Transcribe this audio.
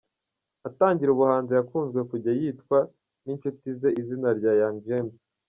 Atangira ubuhanzi yakunzwe kujya yitwa n’inshuti ze izina rya Young James.